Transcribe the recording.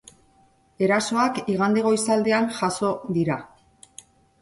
Erasoak igande goizaldean jazo dira.